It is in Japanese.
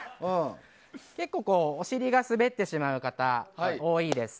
結構、お尻が滑ってしまう方多いです。